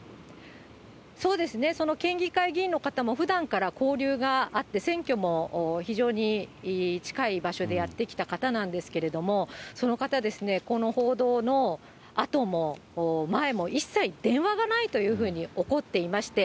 そうですね、その県議会議員の方も、ふだんから交流があって、選挙も非常に近い場所でやってきた方なんですけれども、その方ですね、この報道のあとも前も、一切電話がないというふうに怒っていまして、